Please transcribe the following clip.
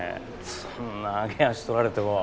そんな揚げ足取られても。